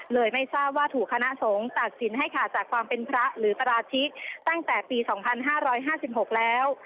ไม่ทราบว่าถูกคณะสงฆ์ตัดสินให้ขาดจากความเป็นพระหรือปราชิกตั้งแต่ปี๒๕๕๖แล้ว